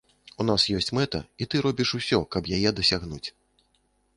У нас ёсць мэта, і ты робіш усё, каб яе дасягнуць.